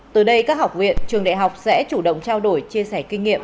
từ đây các học viện trường đại học sẽ chủ động trao đổi chia sẻ kinh nghiệm